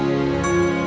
ibu udah selesai